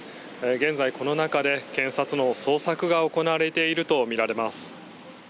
現在、この中で検察の捜索が行われているとみられます。